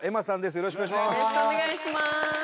よろしくお願いします！